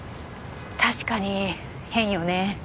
確かに変よね。